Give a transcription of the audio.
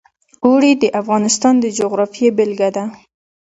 اوړي د افغانستان د جغرافیې بېلګه ده.